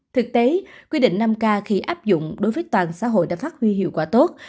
thực tế quy định năm k khi áp dụng đối với toàn xã hội đã phát huy hiệu quả tốt